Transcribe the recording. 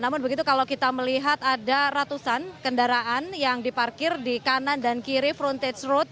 namun begitu kalau kita melihat ada ratusan kendaraan yang diparkir di kanan dan kiri frontage road